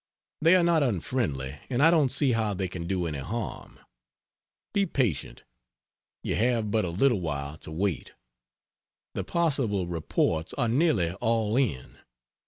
They are not unfriendly, and I don't see how they can do any harm. Be patient; you have but a little while to wait; the possible reports are nearly all in.